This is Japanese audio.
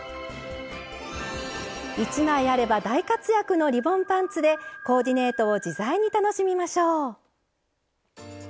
１枚あれば大活躍のリボンパンツでコーディネートを自在に楽しみましょう。